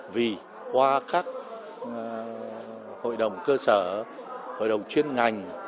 vì qua các hội đồng cơ sở hội đồng chuyên ngành